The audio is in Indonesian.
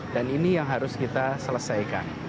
dan ini yang harus kita selesaikan